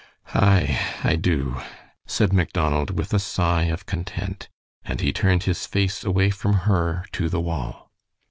"Aye, I do," said Macdonald, with a sigh of content, and he turned his face away from her to the wall.